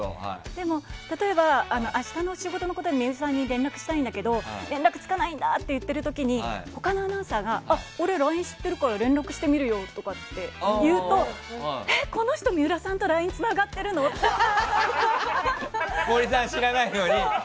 でも、例えば明日の仕事のことで水卜さんに連絡したいんだけど連絡つかないんだって言っている時に他のアナウンサーが俺、ＬＩＮＥを知ってるから連絡してみるよとかって言うとこの人、水卜さんと森さん、知らないのに。